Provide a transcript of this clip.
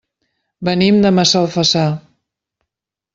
Venim de Massalfassar.